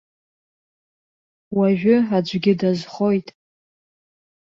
Уажәы аӡәгьы дазхоит.